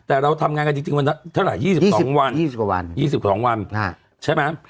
แต่เราทำงานกันจริงวันเท่าไหร่๒๒วัน